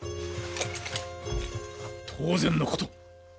当然のこと！